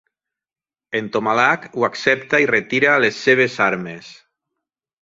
En Tomalak ho accepta i retira les seves armes.